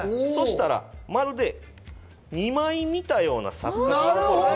そうしたらまるで２枚見たような錯覚になる。